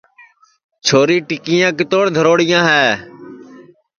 چھوری ٹُکیاں کِتوڑ دھروڑیاں ہے